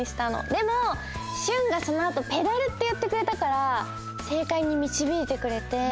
でもシュンがそのあと「ペダル」っていってくれたからせいかいにみちびいてくれて。